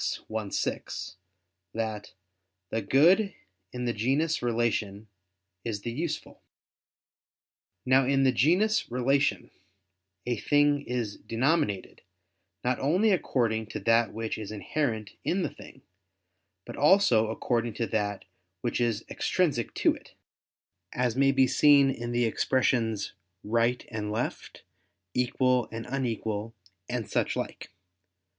i, 6) that "the good in the genus 'relation' is the useful." Now, in the genus "relation" a thing is denominated not only according to that which is inherent in the thing, but also according to that which is extrinsic to it: as may be seen in the expressions "right" and "left," "equal" and "unequal," and such like.